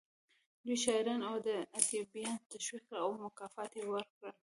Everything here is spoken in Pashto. دوی شاعران او ادیبان تشویق کړل او مکافات یې ورکړل